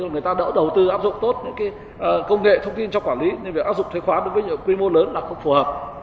người ta đỡ đầu tư áp dụng tốt những công nghệ thông tin cho quản lý nhưng áp dụng thuế khoán đối với những quy mô lớn là không phù hợp